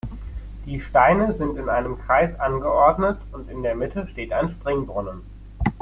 Die Steine sind in einem Kreis angeordnet und in der Mitte steht ein Springbrunnen.